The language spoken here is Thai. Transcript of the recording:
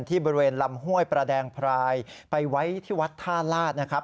บริเวณลำห้วยประแดงพรายไปไว้ที่วัดท่าลาศนะครับ